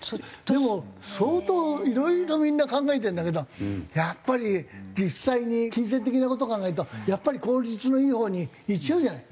でも相当いろいろみんな考えてるんだけどやっぱり実際に金銭的な事を考えるとやっぱり効率のいいほうにいっちゃうじゃない。